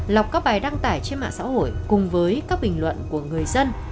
lọc các bài đăng tải trên mạng xã hội cùng với các bình luận của người dân